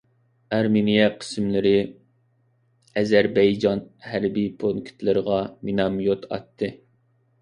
ئەرمېنىيە قىسىملىرى ئەزەربەيجان ھەربىي پونكىتلىرىغا مىناميوت ئاتتى.